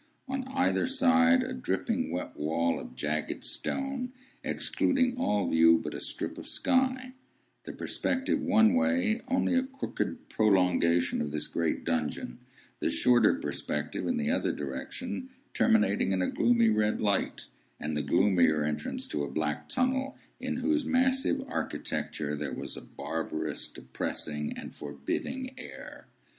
On either side, a dripping wet wall of jagged stone, excluding all view but a strip of sky; the perspective one way only a crooked prolongation of this great dungeon; the shorter perspective in the other direction terminating in a gloomy red light, and the gloomier entrance to a black tunnel, in whose massive architecture there was a barbarous, depressing, and forbidding air.